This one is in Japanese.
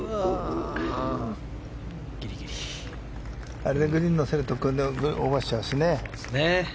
あれでグリーン乗せるとオーバーしちゃうしね。